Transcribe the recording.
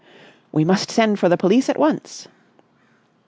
"We must send for the police at once."